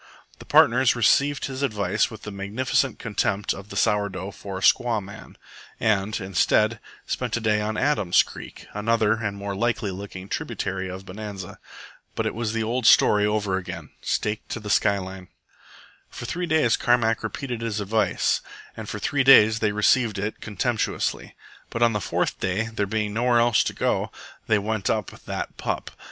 The partners received his advice with the magnificent contempt of the sour dough for a squaw man, and, instead, spent the day on Adam's Creek, another and more likely looking tributary of Bonanza. But it was the old story over again staked to the sky line. For threes days Carmack repeated his advice, and for three days they received it contemptuously. But on the fourth day, there being nowhere else to go, they went up "that pup."